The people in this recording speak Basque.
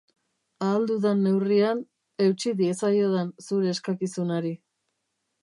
Ahal dudan neurrian, eutsi diezaiodan zure eskakizunari.